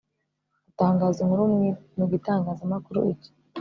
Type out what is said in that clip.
gutangaza inkuru mu gitangazamakuru iki